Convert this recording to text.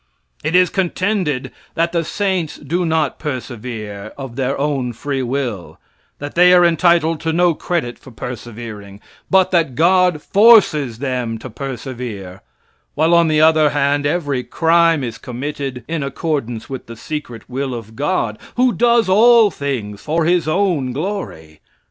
It is contended that the saints do not persevere of their own free will that they are entitled to no credit for persevering; but that God forces them to persevere; while on the other hand, every crime is committed in accordance with the secret will of God, who does all things for His own glory.